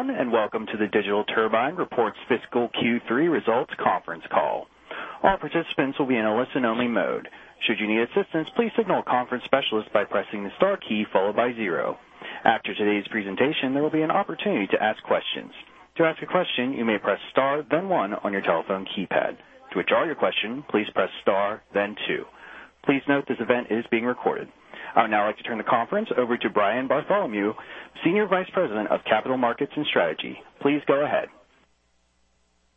Hello, everyone, and welcome to the Digital Turbine Reports Fiscal Q3 Results Conference Call. All participants will be in a listen-only mode. Should you need assistance, please signal a conference specialist by pressing the star key followed by zero. After today's presentation, there will be an opportunity to ask questions. To ask a question, you may press star then one on your telephone keypad. To withdraw your question, please press star then two. Please note this event is being recorded. I would now like to turn the conference over to Brian Bartholomew, Senior Vice President of Capital Markets and Strategy. Please go ahead.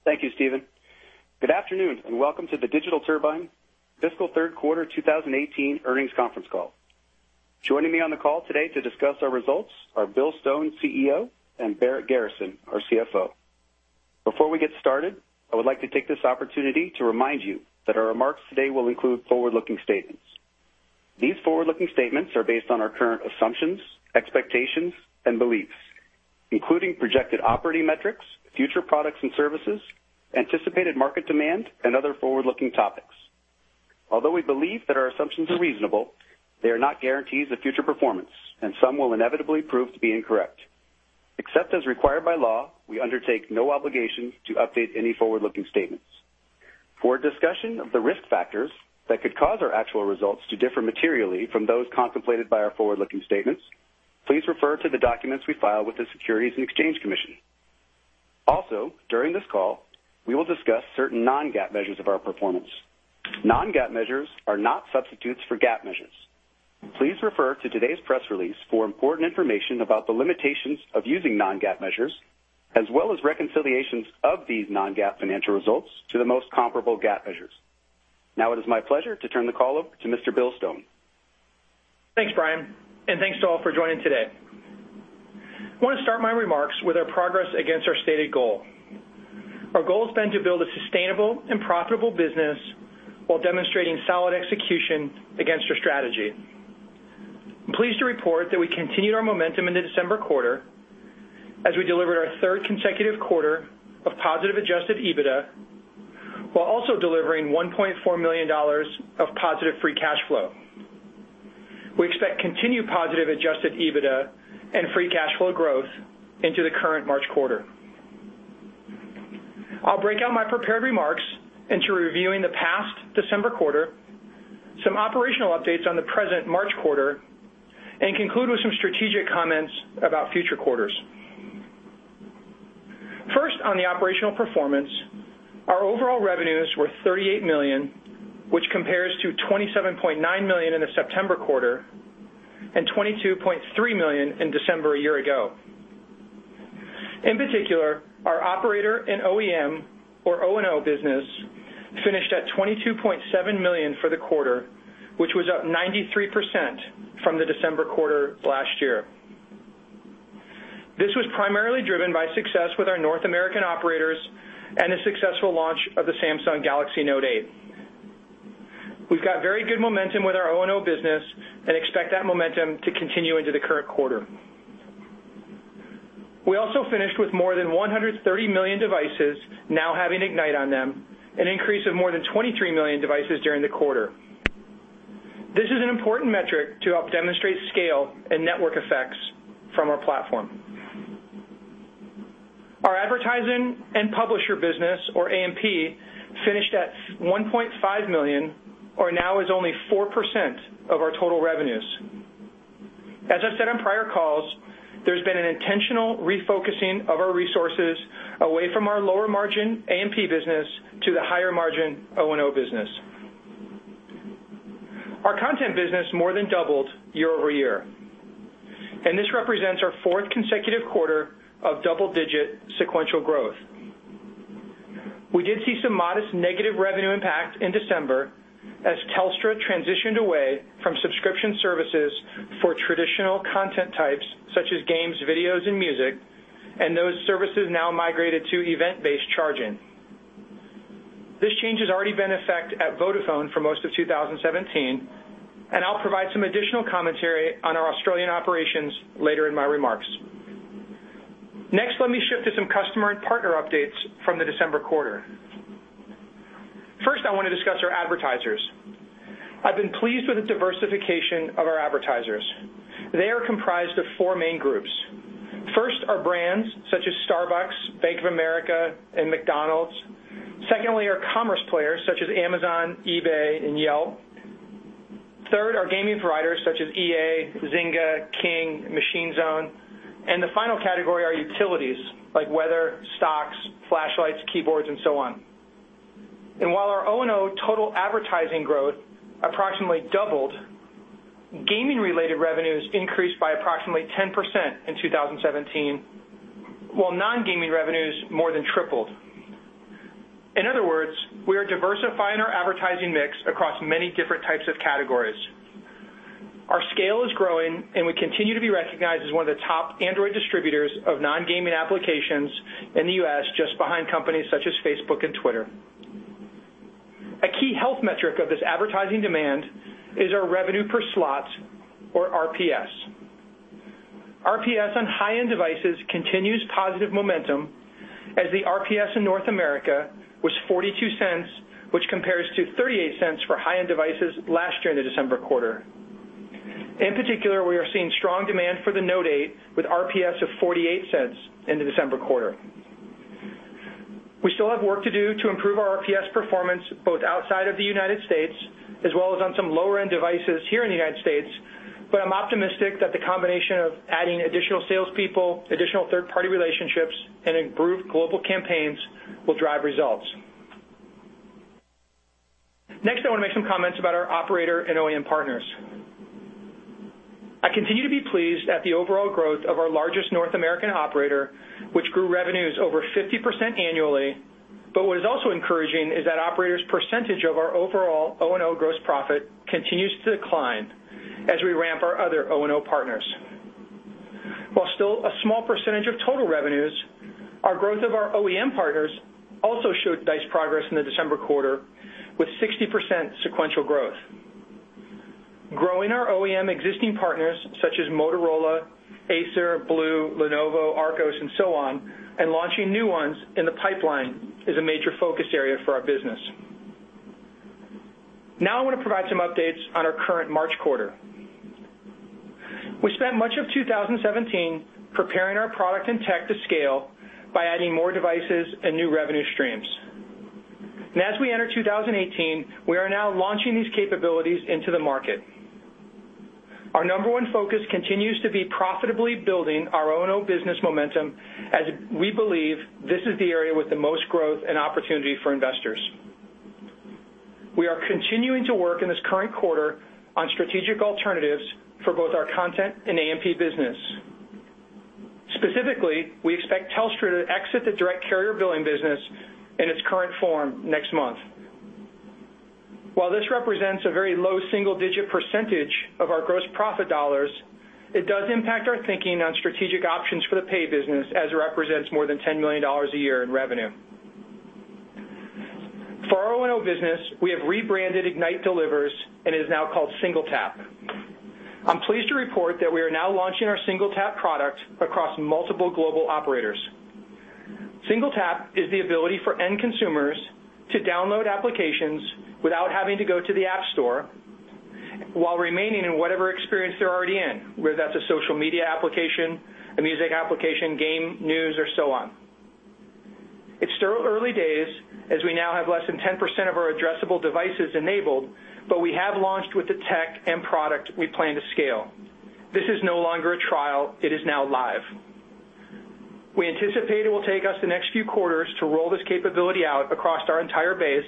Thank you, Steven. Good afternoon and welcome to the Digital Turbine Fiscal Third Quarter 2018 Earnings Conference Call. Joining me on the call today to discuss our results are Bill Stone, CEO, and Barrett Garrison, our CFO. Before we get started, I would like to take this opportunity to remind you that our remarks today will include forward-looking statements. These forward-looking statements are based on our current assumptions, expectations, and beliefs, including projected operating metrics, future products and services, anticipated market demand, and other forward-looking topics. Although we believe that our assumptions are reasonable, they are not guarantees of future performance, and some will inevitably prove to be incorrect. Except as required by law, we undertake no obligation to update any forward-looking statements. For a discussion of the risk factors that could cause our actual results to differ materially from those contemplated by our forward-looking statements, please refer to the documents we file with the Securities and Exchange Commission. Also, during this call, we will discuss certain non-GAAP measures of our performance. Non-GAAP measures are not substitutes for GAAP measures. Please refer to today's press release for important information about the limitations of using non-GAAP measures, as well as reconciliations of these non-GAAP financial results to the most comparable GAAP measures. Now it is my pleasure to turn the call over to Mr. Bill Stone. Thanks, Brian, and thanks to all for joining today. I want to start my remarks with our progress against our stated goal. Our goal has been to build a sustainable and profitable business while demonstrating solid execution against our strategy. I'm pleased to report that we continued our momentum in the December quarter as we delivered our third consecutive quarter of positive adjusted EBITDA, while also delivering $1.4 million of positive free cash flow. We expect continued positive adjusted EBITDA and free cash flow growth into the current March quarter. I'll break out my prepared remarks into reviewing the past December quarter, some operational updates on the present March quarter, and conclude with some strategic comments about future quarters. First, on the operational performance, our overall revenues were $38 million, which compares to $27.9 million in the September quarter and $22.3 million in December a year ago. In particular, our operator and OEM, or O&O business, finished at $22.7 million for the quarter, which was up 93% from the December quarter last year. This was primarily driven by success with our North American operators and the successful launch of the Samsung Galaxy Note8. We've got very good momentum with our O&O business and expect that momentum to continue into the current quarter. We also finished with more than 130 million devices now having Ignite on them, an increase of more than 23 million devices during the quarter. This is an important metric to help demonstrate scale and network effects from our platform. Our advertising and publisher business, or A&P, finished at $1.5 million or now is only 4% of our total revenues. As I've said on prior calls, there's been an intentional refocusing of our resources away from our lower margin A&P business to the higher margin O&O business. Our content business more than doubled year-over-year, and this represents our fourth consecutive quarter of double-digit sequential growth. We did see some modest negative revenue impact in December as Telstra transitioned away from subscription services for traditional content types such as games, videos, and music, and those services now migrated to event-based charging. This change has already been in effect at Vodafone for most of 2017. I'll provide some additional commentary on our Australian operations later in my remarks. Let me shift to some customer and partner updates from the December quarter. I want to discuss our advertisers. I've been pleased with the diversification of our advertisers. They are comprised of four main groups. Brands such as Starbucks, Bank of America, and McDonald's. Commerce players such as Amazon, eBay, and Yelp. Gaming providers such as EA, Zynga, King, Machine Zone, and the final category are utilities like weather, stocks, flashlights, keyboards, and so on. While our O&O total advertising growth approximately doubled, gaming-related revenues increased by approximately 10% in 2017, while non-gaming revenues more than tripled. In other words, we are diversifying our advertising mix across many different types of categories. Our scale is growing, and we continue to be recognized as one of the top Android distributors of non-gaming applications in the U.S., just behind companies such as Facebook and Twitter. A key health metric of this advertising demand is our revenue per slots, or RPS. RPS on high-end devices continues positive momentum as the RPS in North America was $0.42 which compares to $0.38 for high-end devices last year in the December quarter. In particular, we are seeing strong demand for the Note8 with RPS of $0.48 in the December quarter. We still have work to do to improve our RPS performance, both outside of the United States as well as on some lower-end devices here in the United States, but I'm optimistic that the combination of adding additional salespeople, additional third-party relationships, and improved global campaigns will drive results. I want to make some comments about our operator and OEM partners. I continue to be pleased at the overall growth of our largest North American operator, which grew revenues over 50% annually. What is also encouraging is that operators' percentage of our overall O&O gross profit continues to decline as we ramp our other O&O partners. While still a small percentage of total revenues, our growth of our OEM partners also showed nice progress in the December quarter with 60% sequential growth. Growing our OEM existing partners such as Motorola, Acer, BLU, Lenovo, Archos, and so on, and launching new ones in the pipeline is a major focus area for our business. Now I want to provide some updates on our current March quarter. We spent much of 2017 preparing our product and tech to scale by adding more devices and new revenue streams. As we enter 2018, we are now launching these capabilities into the market. Our number one focus continues to be profitably building our O&O business momentum, as we believe this is the area with the most growth and opportunity for investors. We are continuing to work in this current quarter on strategic alternatives for both our content and A&P business. Specifically, we expect Telstra to exit the direct carrier billing business in its current form next month. While this represents a very low single-digit percentage of our gross profit dollars, it does impact our thinking on strategic options for the pay business, as it represents more than $10 million a year in revenue. For our O&O business, we have rebranded Ignite Delivers, it is now called SingleTap. I'm pleased to report that we are now launching our SingleTap product across multiple global operators. SingleTap is the ability for end consumers to download applications without having to go to the App Store while remaining in whatever experience they're already in, whether that's a social media application, a music application, game, news, or so on. It's still early days, as we now have less than 10% of our addressable devices enabled, but we have launched with the tech and product we plan to scale. This is no longer a trial. It is now live. We anticipate it will take us the next few quarters to roll this capability out across our entire base,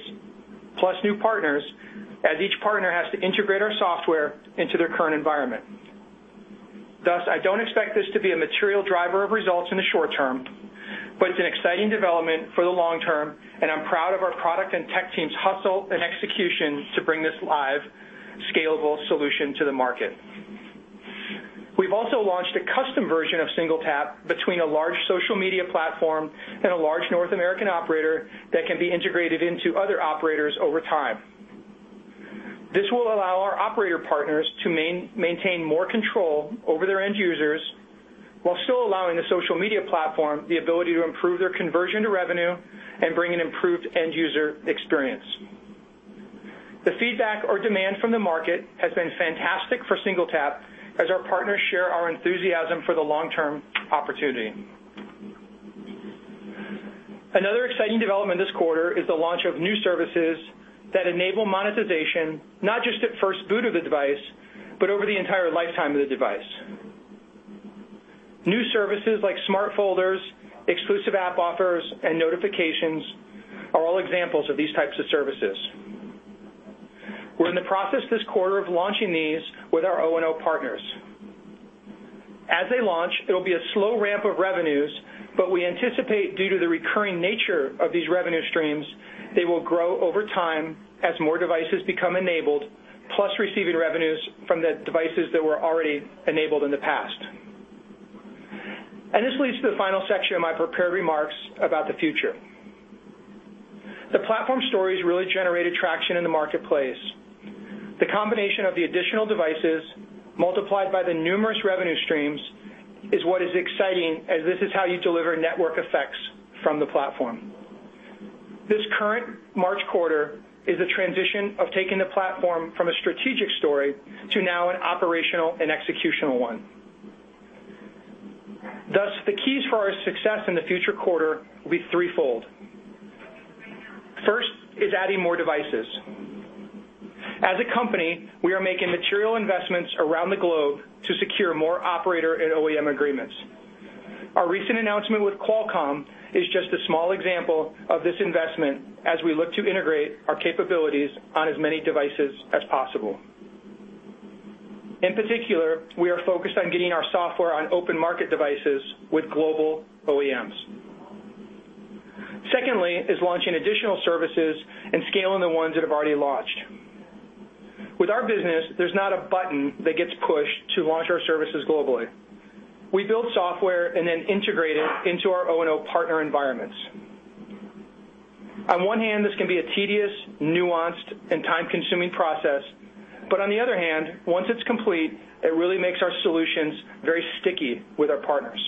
plus new partners, as each partner has to integrate our software into their current environment. I don't expect this to be a material driver of results in the short term, it's an exciting development for the long term, I'm proud of our product and tech team's hustle and execution to bring this live, scalable solution to the market. We've also launched a custom version of SingleTap between a large social media platform and a large North American operator that can be integrated into other operators over time. This will allow our operator partners to maintain more control over their end users while still allowing the social media platform the ability to improve their conversion to revenue and bring an improved end-user experience. The feedback or demand from the market has been fantastic for SingleTap as our partners share our enthusiasm for the long-term opportunity. Another exciting development this quarter is the launch of new services that enable monetization, not just at first boot of the device, but over the entire lifetime of the device. New services like Smart Folders, exclusive app offers, and notifications are all examples of these types of services. We're in the process this quarter of launching these with our O&O partners. As they launch, it'll be a slow ramp of revenues, but we anticipate due to the recurring nature of these revenue streams, they will grow over time as more devices become enabled, plus receiving revenues from the devices that were already enabled in the past. This leads to the final section of my prepared remarks about the future. The platform stories really generated traction in the marketplace. The combination of the additional devices multiplied by the numerous revenue streams is what is exciting, as this is how you deliver network effects from the platform. This current March quarter is a transition of taking the platform from a strategic story to now an operational and executional one. Thus, the keys for our success in the future quarter will be threefold. First is adding more devices. As a company, we are making material investments around the globe to secure more operator and OEM agreements. Our recent announcement with Qualcomm is just a small example of this investment as we look to integrate our capabilities on as many devices as possible. In particular, we are focused on getting our software on open market devices with global OEMs. Secondly is launching additional services and scaling the ones that have already launched. With our business, there's not a button that gets pushed to launch our services globally. We build software and then integrate it into our O&O partner environments. On one hand, this can be a tedious, nuanced, and time-consuming process, but on the other hand, once it's complete, it really makes our solutions very sticky with our partners.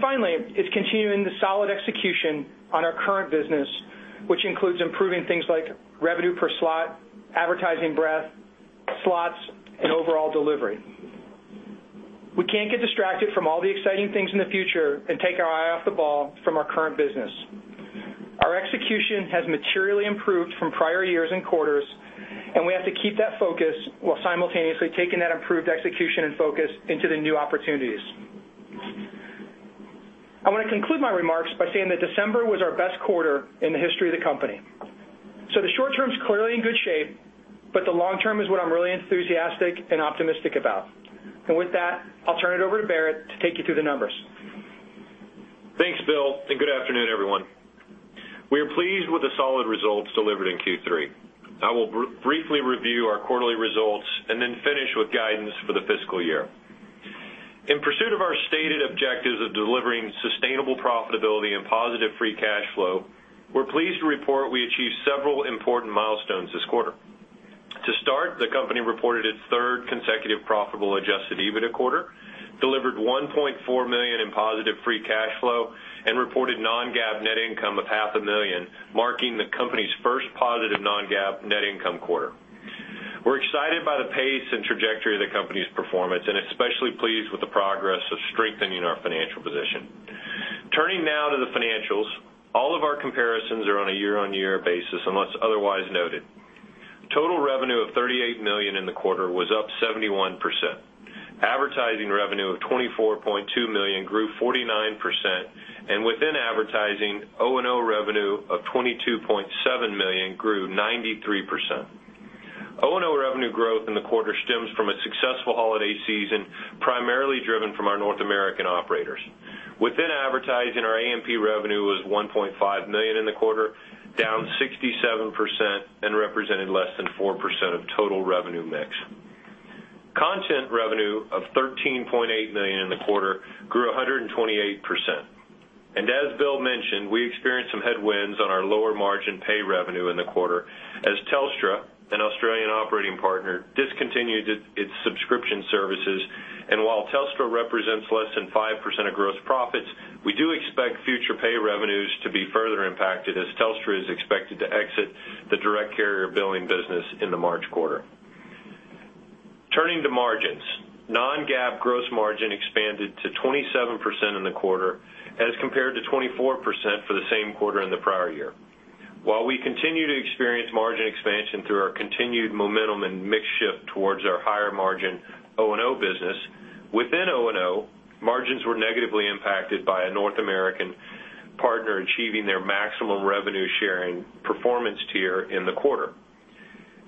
Finally, it's continuing the solid execution on our current business, which includes improving things like revenue per slot, advertising breadth, slots, and overall delivery. We can't get distracted from all the exciting things in the future and take our eye off the ball from our current business. Our execution has materially improved from prior years and quarters, and we have to keep that focus while simultaneously taking that improved execution and focus into the new opportunities. I want to conclude my remarks by saying that December was our best quarter in the history of the company. The short term is clearly in good shape, but the long term is what I'm really enthusiastic and optimistic about. With that, I'll turn it over to Barrett to take you through the numbers. Thanks, Bill. Good afternoon, everyone. We are pleased with the solid results delivered in Q3. I will briefly review our quarterly results, then finish with guidance for the fiscal year. In pursuit of our stated objectives of delivering sustainable profitability and positive free cash flow, we're pleased to report we achieved several important milestones this quarter. To start, the company reported its third consecutive profitable adjusted EBITDA quarter, delivered $1.4 million in positive free cash flow, and reported non-GAAP net income of half a million, marking the company's first positive non-GAAP net income quarter. We're excited by the pace and trajectory of the company's performance and especially pleased with the progress of strengthening our financial position. Turning now to the financials. All of our comparisons are on a year-over-year basis unless otherwise noted. Total revenue of $38 million in the quarter was up 71%. Advertising revenue of $24.2 million grew 49%. Within advertising, O&O revenue of $22.7 million grew 93%. O&O revenue growth in the quarter stems from a successful holiday season, primarily driven from our North American operators. Within advertising, our A&P revenue was $1.5 million in the quarter, down 67% and represented less than 4% of total revenue mix. Content revenue of $13.8 million in the quarter grew 128%. As Bill mentioned, we experienced some headwinds on our lower margin pay revenue in the quarter as Telstra, an Australian operating partner, discontinued its subscription services. While Telstra represents less than 5% of gross profits, we do expect future pay revenues to be further impacted as Telstra is expected to exit the direct carrier billing business in the March quarter. Turning to margins. Non-GAAP gross margin expanded to 27% in the quarter as compared to 24% for the same quarter in the prior year. While we continue to experience margin expansion through our continued momentum and mix shift towards our higher margin O&O business, within O&O, margins were negatively impacted by a North American partner achieving their maximum revenue-sharing performance tier in the quarter.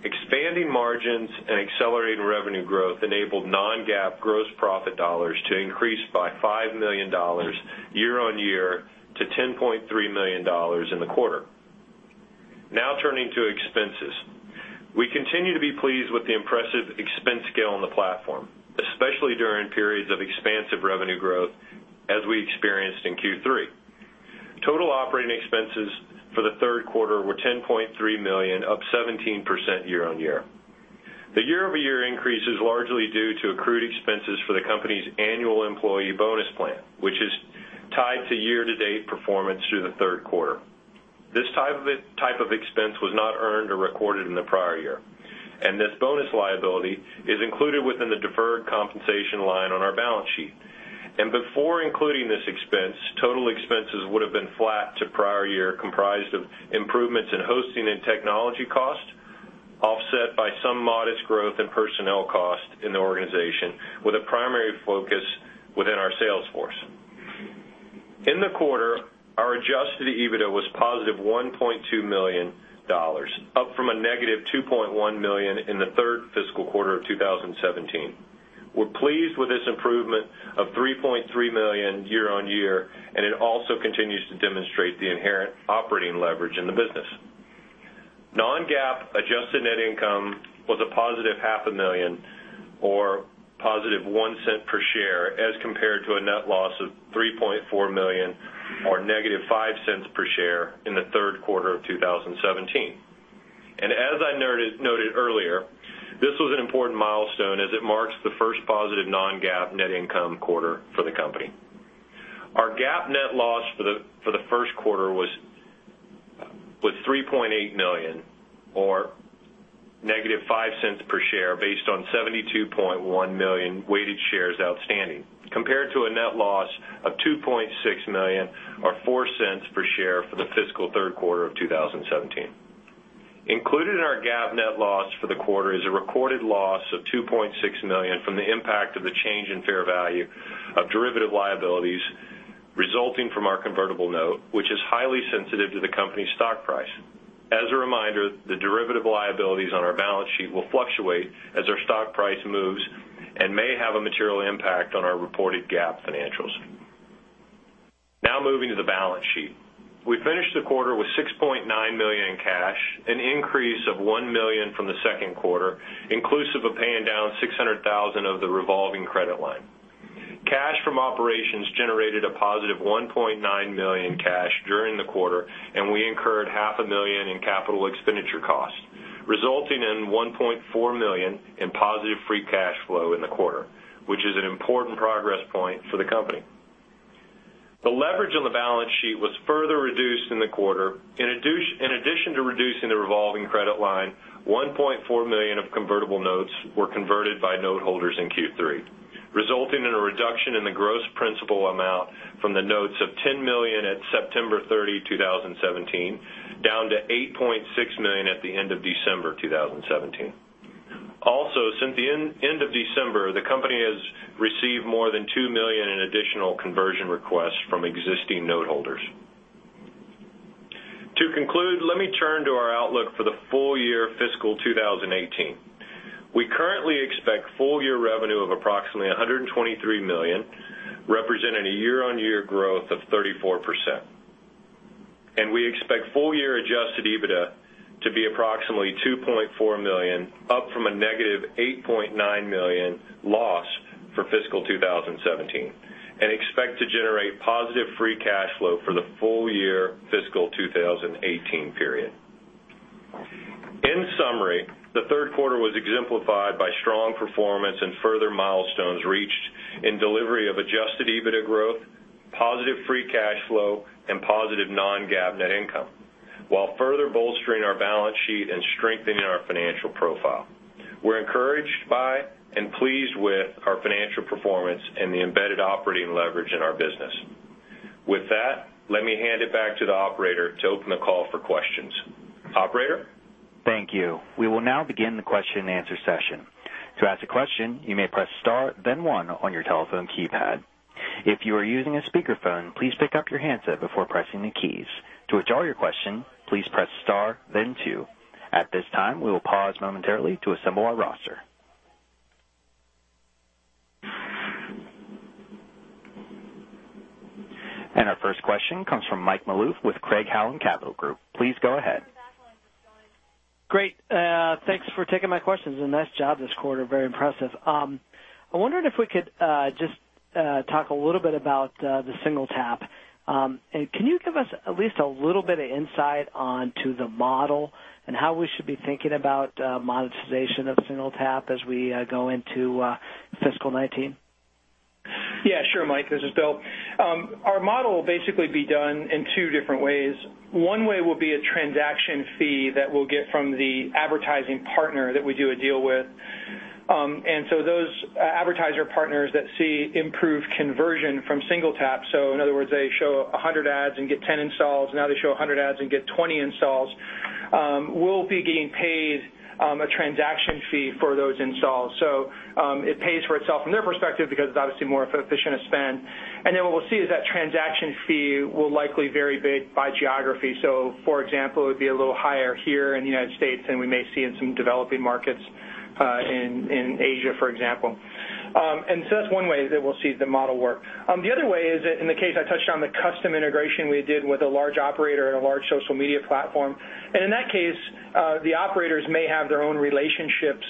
Expanding margins and accelerating revenue growth enabled non-GAAP gross profit dollars to increase by $5 million year-over-year to $10.3 million in the quarter. Now turning to expenses. We continue to be pleased with the impressive expense scale on the platform, especially during periods of expansive revenue growth as we experienced in Q3. Total operating expenses for the third quarter were $10.3 million, up 17% year-over-year. The year-over-year increase is largely due to accrued expenses for the company's annual employee bonus plan, which is tied to year-to-date performance through the third quarter. This type of expense was not earned or recorded in the prior year. This bonus liability is included within the deferred compensation line on our balance sheet. Before including this expense, total expenses would have been flat to prior year, comprised of improvements in hosting and technology costs, offset by some modest growth in personnel costs in the organization with a primary focus within our sales force. In the quarter, our adjusted EBITDA was positive $1.2 million, up from a negative $2.1 million in the third fiscal quarter of 2017. We're pleased with this improvement of $3.3 million year-over-year. It also continues to demonstrate the inherent operating leverage in the business. Non-GAAP adjusted net income was a positive half a million or positive $0.01 per share as compared to a net loss of $3.4 million or negative $0.05 per share in the third quarter of 2017. As I noted earlier, this was an important milestone as it marks the first positive non-GAAP net income quarter for the company. Our GAAP net loss for the first quarter was $3.8 million or negative $0.05 per share based on 72.1 million weighted shares outstanding, compared to a net loss of $2.6 million or $0.04 per share for the fiscal third quarter of 2017. Included in our GAAP net loss for the quarter is a recorded loss of $2.6 million from the impact of the change in fair value of derivative liabilities resulting from our convertible note, which is highly sensitive to the company's stock price. As a reminder, the derivative liabilities on our balance sheet will fluctuate as our stock price moves and may have a material impact on our reported GAAP financials. Now moving to the balance sheet. We finished the quarter with $6.9 million in cash, an increase of $1 million from the second quarter, inclusive of paying down $600,000 of the revolving credit line. Cash from operations generated a positive $1.9 million cash during the quarter, and we incurred half a million in capital expenditure costs, resulting in $1.4 million in positive free cash flow in the quarter, which is an important progress point for the company. The leverage on the balance sheet was further reduced in the quarter. In addition to reducing the revolving credit line, $1.4 million of convertible notes were converted by note holders in Q3, resulting in a reduction in the gross principal amount from the notes of $10 million at September 30, 2017, down to $8.6 million at the end of December 2017. Also, since the end of December, the company has received more than $2 million in additional conversion requests from existing note holders. To conclude, let me turn to our outlook for the full year fiscal 2018. We currently expect full year revenue of approximately $123 million, representing a year-on-year growth of 34%. We expect full year adjusted EBITDA to be approximately $2.4 million, up from a negative $8.9 million loss for fiscal 2017, and expect to generate positive free cash flow for the full year fiscal 2018 period. In summary, the third quarter was exemplified by strong performance and further milestones reached in delivery of adjusted EBITDA growth, positive free cash flow, and positive non-GAAP net income, while further bolstering our balance sheet and strengthening our financial profile. We're encouraged by and pleased with our financial performance and the embedded operating leverage in our business. With that, let me hand it back to the operator to open the call for questions. Operator? Thank you. We will now begin the question and answer session. To ask a question, you may press star then one on your telephone keypad. If you are using a speakerphone, please pick up your handset before pressing the keys. To withdraw your question, please press star then two. At this time, we will pause momentarily to assemble our roster. Our first question comes from Mike Malouf with Craig-Hallum Capital Group. Please go ahead. Great. Thanks for taking my questions and nice job this quarter. Very impressive. I wondered if we could just talk a little bit about the SingleTap. Can you give us at least a little bit of insight onto the model and how we should be thinking about monetization of SingleTap as we go into fiscal 2019? Yeah, sure, Mike. This is Bill. Our model will basically be done in two different ways. One way will be a transaction fee that we'll get from the advertising partner that we do a deal with. Those advertiser partners that see improved conversion from SingleTap, so in other words, they show 100 ads and get 10 installs, now they show 100 ads and get 20 installs, we'll be getting paid a transaction fee for those installs. It pays for itself from their perspective because it's obviously a more efficient spend. What we'll see is that transaction fee will likely vary by geography. For example, it would be a little higher here in the United States than we may see in some developing markets, in Asia, for example. That's one way that we'll see the model work. The other way is that in the case I touched on the custom integration we did with a large operator and a large social media platform. In that case, the operators may have their own relationships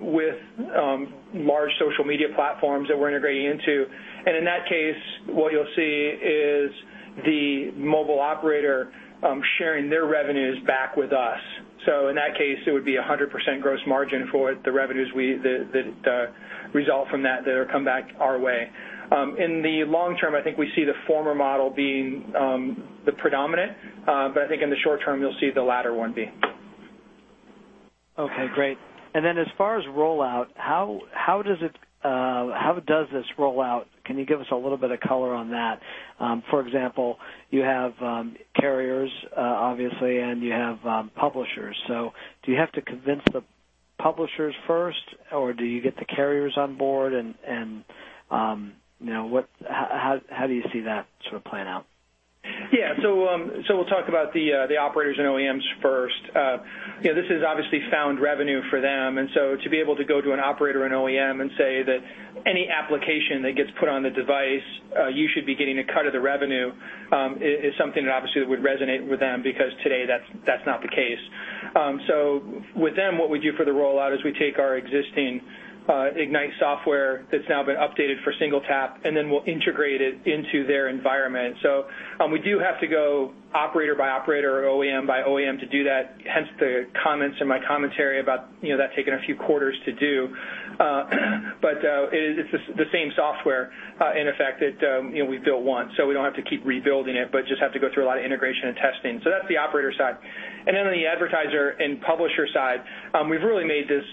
with large social media platforms that we're integrating into. In that case, what you'll see is the mobile operator sharing their revenues back with us. In that case, it would be 100% gross margin for the revenues that result from that'll come back our way. In the long term, I think we see the former model being the predominant, but I think in the short term, you'll see the latter one being. Okay, great. As far as rollout, how does this roll out? Can you give us a little bit of color on that? For example, you have carriers, obviously, and you have publishers. Do you have to convince the publishers first, or do you get the carriers on board, and how do you see that sort of playing out? Yeah. We'll talk about the Operators & OEMs first. This is obviously found revenue for them. To be able to go to an operator and OEM and say that any application that gets put on the device, you should be getting a cut of the revenue, is something that obviously would resonate with them because today that's not the case. With them, what we do for the rollout is we take our existing Ignite software that's now been updated for SingleTap, and then we'll integrate it into their environment. We do have to go operator by operator or OEM by OEM to do that, hence the comments in my commentary about that taking a few quarters to do. It's the same software, in effect, that we built once. We don't have to keep rebuilding it, just have to go through a lot of integration and testing. That's the operator side. On the Advertisers & Publishers side, we've really made this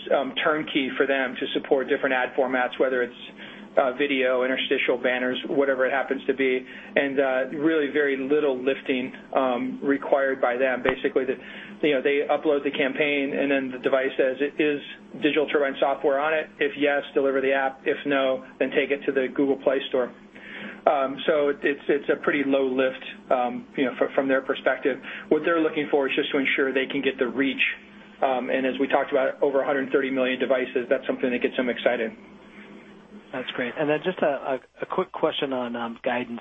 turnkey for them to support different ad formats, whether it's video, interstitial banners, whatever it happens to be, and really very little lifting required by them. Basically, they upload the campaign. The device says, "Is Digital Turbine software on it?" If yes, deliver the app. If no, take it to the Google Play Store. It's a pretty low lift from their perspective. What they're looking for is just to ensure they can get the reach. As we talked about, over 130 million devices, that's something that gets them excited. That's great. Just a quick question on guidance.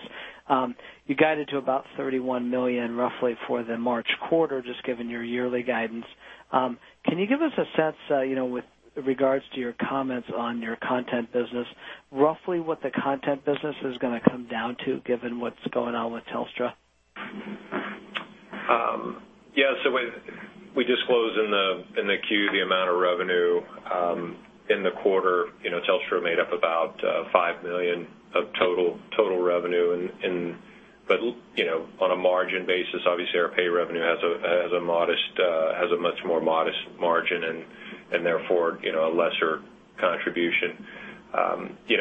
You guided to about $31 million roughly for the March quarter, just given your yearly guidance. Can you give us a sense, with regards to your comments on your content business, roughly what the content business is going to come down to, given what's going on with Telstra? We disclose in the Q the amount of revenue in the quarter. Telstra made up about $5 million of total revenue. On a margin basis, obviously, our pay revenue has a much more modest margin and therefore, a lesser contribution.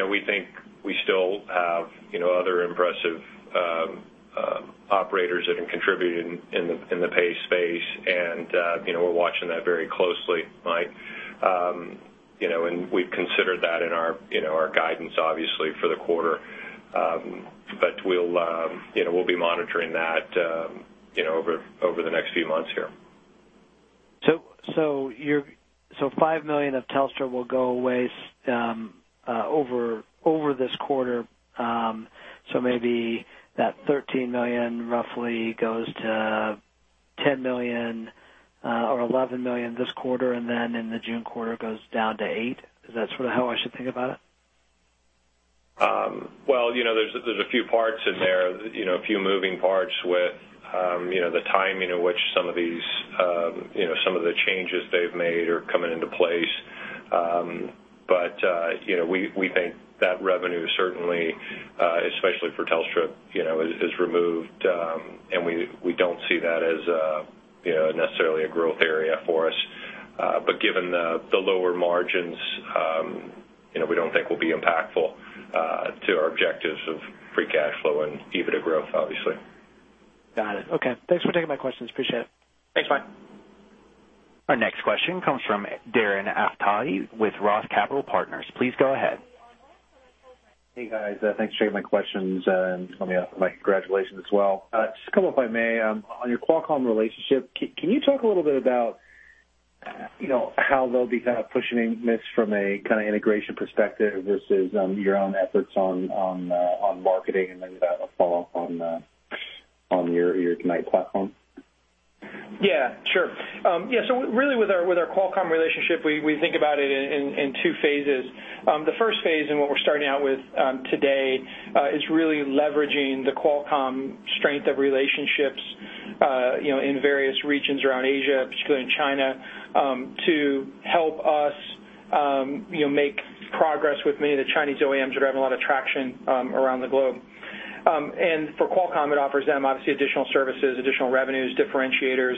We think we still have other impressive operators that can contribute in the pay space, and we're watching that very closely, Mike. We've considered that in our guidance, obviously, for the quarter. We'll be monitoring that over the next few months here. $5 million of Telstra will go away over this quarter. Maybe that $13 million roughly goes to $10 million or $11 million this quarter, and then in the June quarter, goes down to $8 million. Is that sort of how I should think about it? There's a few parts in there, a few moving parts with the timing in which some of the changes they've made are coming into place. We think that revenue certainly, especially for Telstra, is removed, and we don't see that as necessarily a growth area for us. Given the lower margins, we don't think we'll be impactful to our objectives of free cash flow and EBITDA growth, obviously. Got it. Okay. Thanks for taking my questions. Appreciate it. Thanks, Mike. Our next question comes from Darren Aftahi with ROTH Capital Partners. Please go ahead. Hey, guys. Thanks for taking my questions, and let me offer my congratulations as well. Just a couple, if I may. On your Qualcomm relationship, can you talk a little bit about how they'll be kind of pushing this from a kind of integration perspective versus your own efforts on marketing? Then a follow-up on your Ignite platform. Yeah, sure. Really, with our Qualcomm relationship, we think about it in two phases. The first phase and what we're starting out with today is really leveraging the Qualcomm strength of relationships in various regions around Asia, particularly in China, to help us make progress with many of the Chinese OEMs that are having a lot of traction around the globe. For Qualcomm, it offers them obviously additional services, additional revenues, differentiators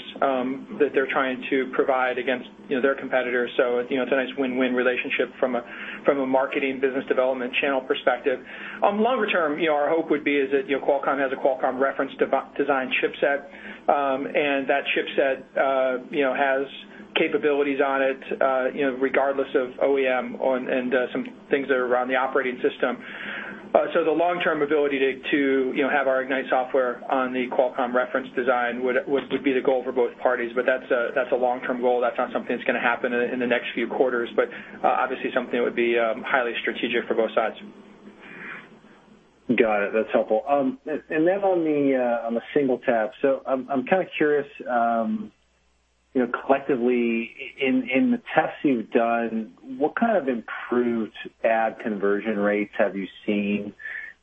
that they're trying to provide against their competitors. It's a nice win-win relationship from a marketing business development channel perspective. Longer term, our hope would be is that Qualcomm has a Qualcomm reference design chipset, and that chipset has capabilities on it regardless of OEM and some things that are around the operating system. The long-term ability to have our Ignite software on the Qualcomm reference design would be the goal for both parties, but that's a long-term goal. That's not something that's going to happen in the next few quarters, but obviously something that would be highly strategic for both sides. Got it. That's helpful. On the SingleTap. I'm kind of curious, collectively in the tests you've done, what kind of improved ad conversion rates have you seen,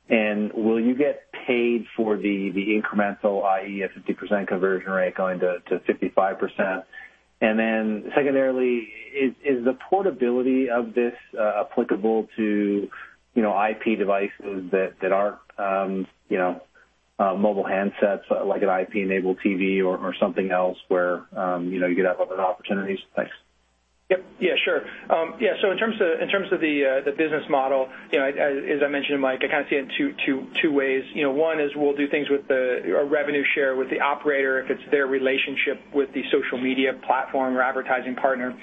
and will you get paid for the incremental, i.e., a 50% conversion rate going to 55%? Secondarily, is the portability of this applicable to IP devices that aren't mobile handsets, like an IP-enabled TV or something else where you could have other opportunities? Thanks. Yep. Yeah, sure. In terms of the business model, as I mentioned, Mike, I kind of see it in two ways. One is we'll do things with a revenue share with the operator if it's their relationship with the social media platform or advertising partner.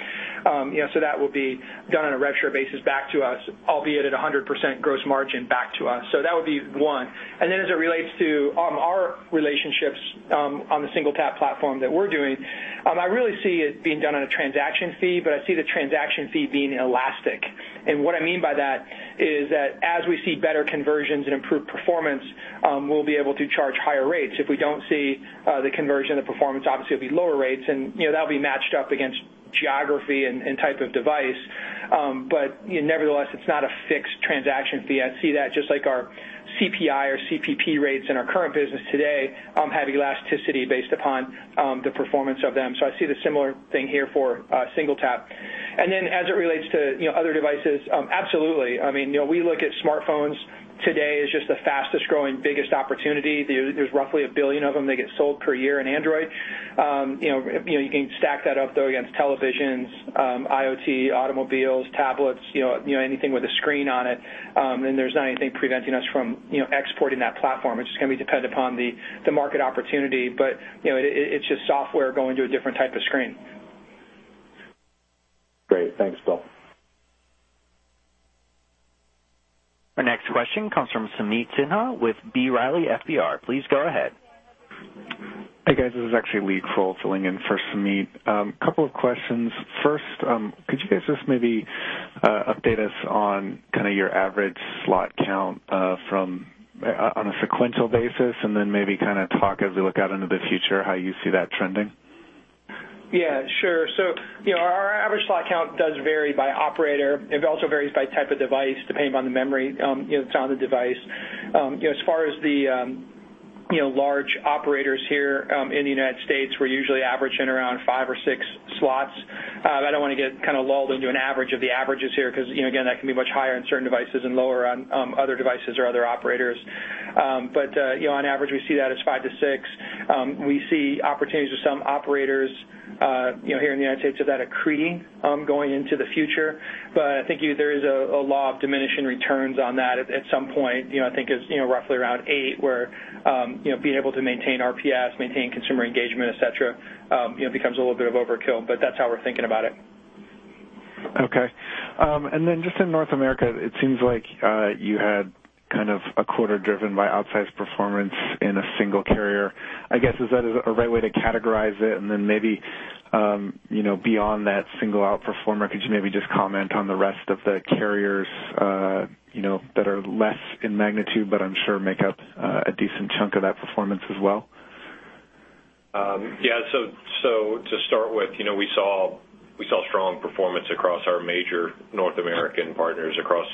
That will be done on a rev share basis back to us, albeit at 100% gross margin back to us. That would be one. As it relates to our relationships on the SingleTap platform that we're doing, I really see it being done on a transaction fee, but I see the transaction fee being elastic. What I mean by that is that as we see better conversions and improved performance, we'll be able to charge higher rates. If we don't see the conversion, the performance obviously will be lower rates, and that'll be matched up against geography and type of device. Nevertheless, it's not a fixed transaction fee. I see that just like our CPI or CPP rates in our current business today have elasticity based upon the performance of them. I see the similar thing here for SingleTap. As it relates to other devices, absolutely. I mean, we look at smartphones today as just the fastest-growing, biggest opportunity. There's roughly 1 billion of them that get sold per year in Android. You can stack that up, though, against televisions, IoT, automobiles, tablets, anything with a screen on it, and there's not anything preventing us from exporting that platform. It's just going to be dependent upon the market opportunity, but it's just software going to a different type of screen. Great. Thanks, Bill. Our next question comes from Sameet Sinha with B. Riley FBR. Please go ahead. Hey, guys, this is actually Lee Krowl filling in for Sameet. Couple of questions. Could you guys just maybe update us on kind of your average slot count on a sequential basis, and then maybe kind of talk as we look out into the future, how you see that trending? Sure. Our average slot count does vary by operator. It also varies by type of device, depending on the memory that's on the device. As far as the large operators here in the United States, we're usually averaging around five or six slots. I don't want to get lulled into an average of the averages here, because, again, that can be much higher on certain devices and lower on other devices or other operators. On average, we see that as five to six. We see opportunities with some operators here in the United States of that accreting going into the future. I think there is a law of diminishing returns on that. At some point, I think it's roughly around eight, where being able to maintain RPS, maintain consumer engagement, et cetera, becomes a little bit of overkill, but that's how we're thinking about it. Okay. Just in North America, it seems like you had a quarter driven by outsized performance in a single carrier. I guess, is that a right way to categorize it? Maybe, beyond that single outperformer, could you maybe just comment on the rest of the carriers that are less in magnitude, but I'm sure make up a decent chunk of that performance as well? Yeah. To start with, we saw strong performance across our major North American partners, across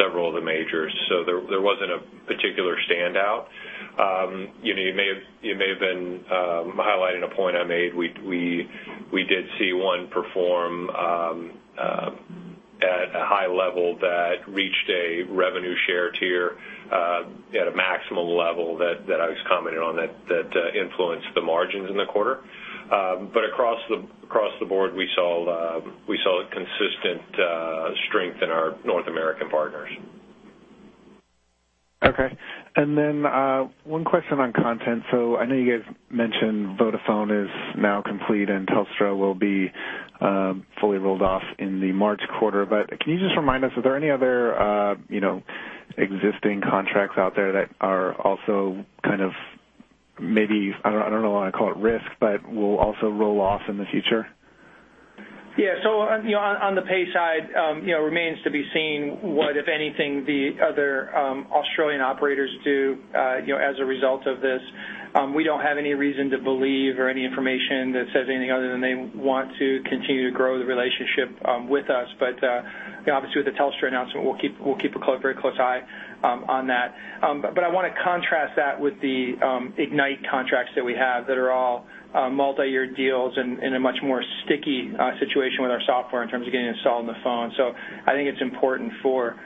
several of the majors. There wasn't a particular standout. You may have been highlighting a point I made. We did see one perform at a high level that reached a revenue share tier at a maximum level that I was commenting on that influenced the margins in the quarter. Across the board, we saw a consistent strength in our North American partners. Okay. One question on content. I know you guys mentioned Vodafone is now complete and Telstra will be fully rolled off in the March quarter, can you just remind us, are there any other existing contracts out there that are also maybe, I don't want to call it risk, will also roll off in the future? Yeah. On the pay side, remains to be seen what, if anything, the other Australian operators do as a result of this. We don't have any reason to believe or any information that says anything other than they want to continue to grow the relationship with us. Obviously, with the Telstra announcement, we'll keep a very close eye on that. I want to contrast that with the Ignite contracts that we have that are all multi-year deals and a much more sticky situation with our software in terms of getting installed on the phone. I think it's important for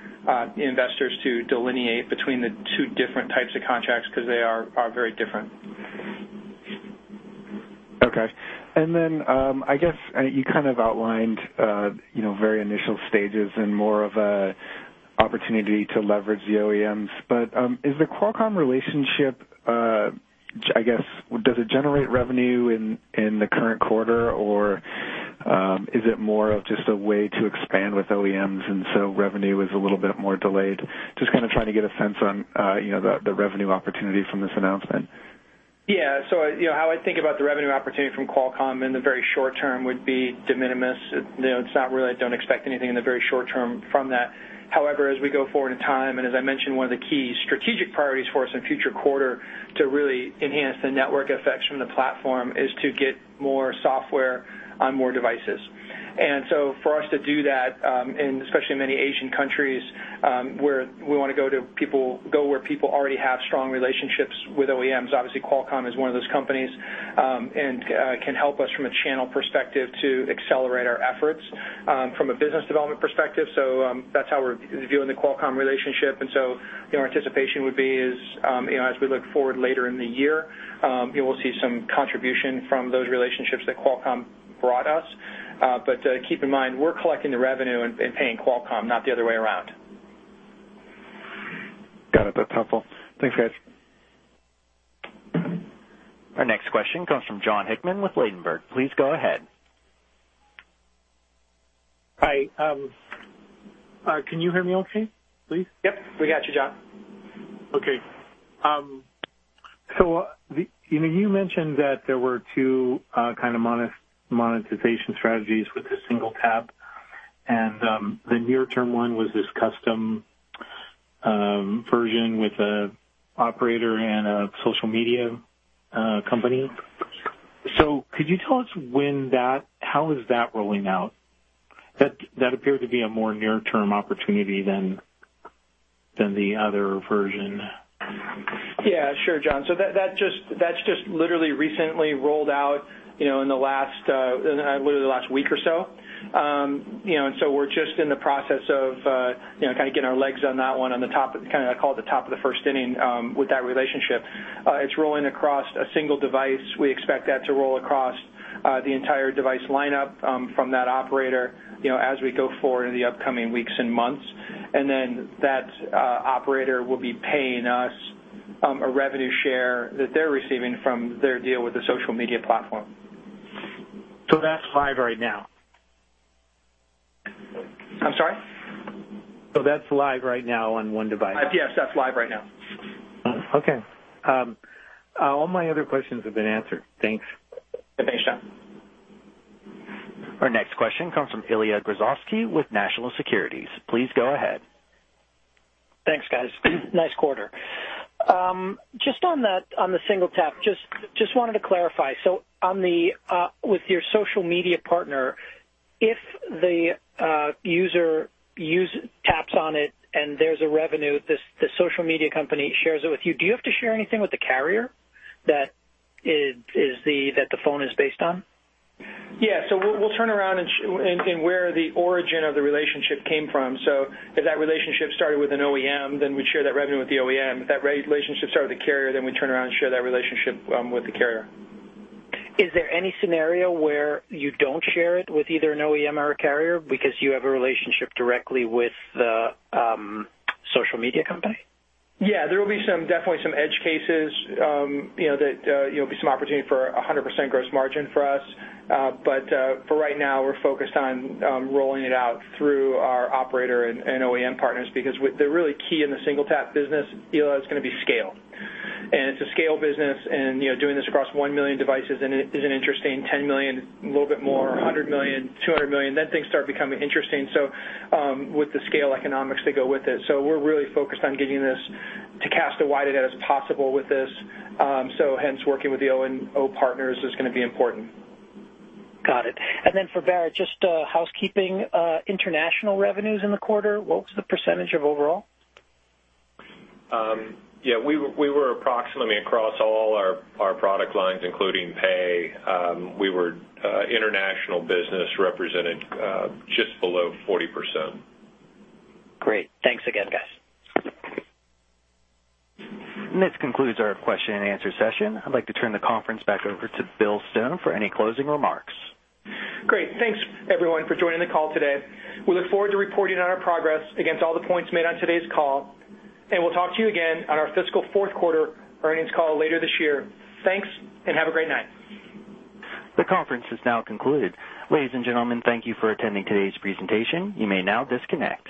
investors to delineate between the two different types of contracts because they are very different. Okay. You outlined very initial stages and more of a opportunity to leverage the OEMs, is the Qualcomm relationship, does it generate revenue in the current quarter or is it more of just a way to expand with OEMs revenue is a little bit more delayed? Just trying to get a sense on the revenue opportunity from this announcement. Yeah. How I think about the revenue opportunity from Qualcomm in the very short term would be de minimis. Really, I don't expect anything in the very short term from that. However, as we go forward in time, and as I mentioned, one of the key strategic priorities for us in future quarter to really enhance the network effects from the platform is to get more software on more devices. For us to do that, and especially in many Asian countries where we want to go where people already have strong relationships with OEMs, obviously Qualcomm is one of those companies and can help us from a channel perspective to accelerate our efforts from a business development perspective. That's how we're viewing the Qualcomm relationship. Our anticipation would be is as we look forward later in the year, you will see some contribution from those relationships that Qualcomm brought us. Keep in mind, we're collecting the revenue and paying Qualcomm, not the other way around. Got it. That's helpful. Thanks, guys. Our next question comes from Jon Hickman with Ladenburg. Please go ahead. Hi. Can you hear me okay, please? Yep. We got you, Jon. You mentioned that there were two kind of monetization strategies with the SingleTap, and the near-term one was this custom version with an operator and a social media company. Could you tell us how is that rolling out? That appeared to be a more near-term opportunity than the other version. Yeah. Sure, Jon. That's just literally recently rolled out in literally the last week or so. We're just in the process of getting our legs on that one on the top, I call it the top of the first inning with that relationship. It's rolling across a single device. We expect that to roll across the entire device lineup from that operator as we go forward in the upcoming weeks and months. That operator will be paying us a revenue share that they're receiving from their deal with the social media platform. That's live right now? I'm sorry? That's live right now on one device? Yes, that's live right now. Okay. All my other questions have been answered. Thanks. Thanks, Jon. Our next question comes from Ilya Grozovsky with National Securities. Please go ahead. Thanks, guys. Nice quarter. On the SingleTap, wanted to clarify. With your social media partner, if the user taps on it and there's a revenue, the social media company shares it with you. Do you have to share anything with the carrier that the phone is based on? We'll turn around and where the origin of the relationship came from. If that relationship started with an OEM, then we'd share that revenue with the OEM. If that relationship started with a carrier, then we'd turn around and share that relationship with the carrier. Is there any scenario where you don't share it with either an OEM or a carrier because you have a relationship directly with the social media company? There will be definitely some edge cases, that there'll be some opportunity for 100% gross margin for us. For right now, we're focused on rolling it out through our operator and OEM partners, because they're really key in the SingleTap business. Eli, it's going to be scale. It's a scale business, doing this across 1 million devices is an interesting 10 million, a little bit more, 100 million, 200 million, then things start becoming interesting, so with the scale economics that go with it. We're really focused on getting this to cast the wide net as possible with this. Hence working with the O&O partners is going to be important. Got it. For Barrett, just housekeeping, international revenues in the quarter, what was the % of overall? Yeah, we were approximately across all our product lines, including pay, we were international business represented just below 40%. Great. Thanks again, guys. This concludes our question and answer session. I'd like to turn the conference back over to Bill Stone for any closing remarks. Great. Thanks, everyone, for joining the call today. We look forward to reporting on our progress against all the points made on today's call, and we'll talk to you again on our fiscal fourth quarter earnings call later this year. Thanks, and have a great night. The conference is now concluded. Ladies and gentlemen, thank you for attending today's presentation. You may now disconnect.